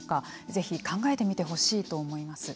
ぜひ考えてみてほしいと思います。